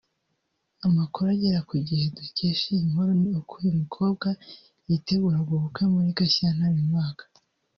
Amakuru agera kuri Igihe dukesha iyi nkuru ni uko uyu mukobwa yiteguraga ubukwe muri Gashyantare uyu mwaka